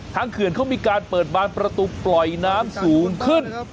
เขื่อนเขามีการเปิดบานประตูปล่อยน้ำสูงขึ้น